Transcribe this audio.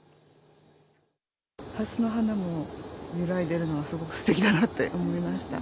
ハスの花も揺らいでるのが、すごくすてきだなって思いました。